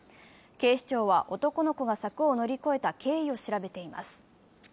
警視庁は、男の子が柵を乗り越えた経緯を調べています。